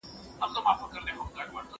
خپل بدن ته احترام وکړئ.